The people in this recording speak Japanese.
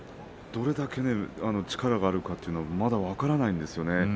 どれだけ力があるかというのがまだ分からないんですよね。